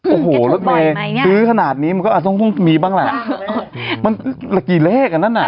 โอ้โหถือขนาดนี้มันก็ต้องมีบ้างละมันแบบกี่เลขอ่ะนั้นอ่ะ